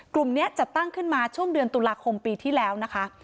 กลุ่มนี้จัดตั้งขึ้นมาช่วงเดือนตุลาคมปีที่แล้วนะคะ